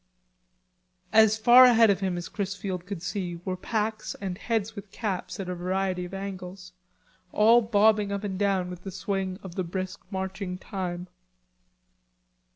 As far ahead of him as Chrisfield could see were packs and heads with caps at a variety of angles, all bobbing up and down with the swing of the brisk marching time.